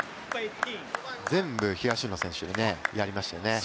全部東野選手でやりましたよね。